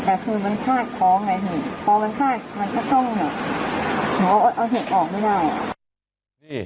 แต่คือมันฆาตพร้อมไงพี่พอมันฆาตมันก็ต้องเอาเหตุออกไม่ได้